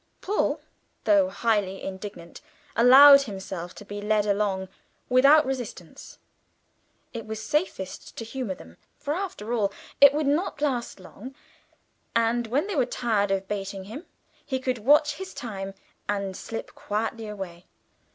Paul, though highly indignant, allowed himself to be led along without resistance. It was safest to humour them, for after all it would not last long, and when they were tired of baiting him he could watch his time and slip quietly away.